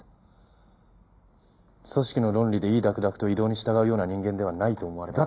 組織の論理で唯々諾々と異動に従うような人間ではないと思われますが。